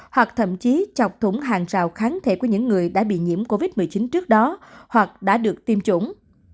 hoặc thậm chí chọc thủng hàng rào kháng thể của những người đã bị nhiễm covid một mươi chín trước đó hoặc đã được tiêm chủng